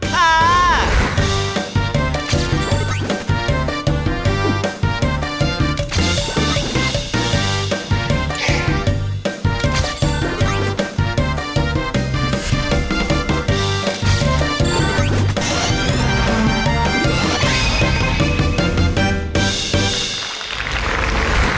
กดติดตาม